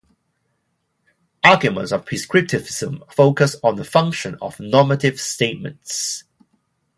Arguments for prescriptivism focus on the "function" of normative statements.